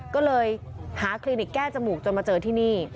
ก็เลยหาคลินิกแก้จมูกจนมาเจอที่นี่